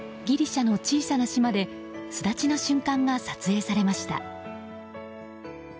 ギリシャの小さな島で巣立ちの瞬間が撮影されました。